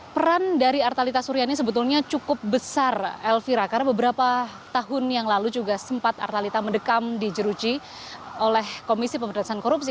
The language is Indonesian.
peran dari artalita suryani sebetulnya cukup besar elvira karena beberapa tahun yang lalu juga sempat artalita mendekam di jeruji oleh komisi pemerintahan korupsi